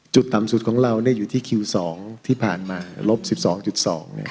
จุดต่ำสุดของเราเนี่ยอยู่ที่คิวสองที่ผ่านมาลบสิบสองจุดสอง